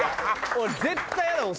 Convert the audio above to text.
俺絶対イヤだもん